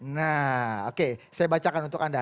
nah oke saya bacakan untuk anda